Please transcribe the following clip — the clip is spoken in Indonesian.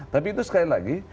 tapi itu sekali lagi